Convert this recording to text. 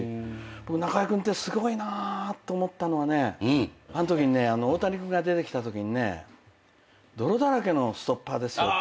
僕中居君ってすごいなって思ったのがねあんときにね大谷君が出てきたときにね「泥だらけのストッパーですよ」って。